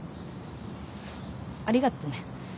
ありがとね。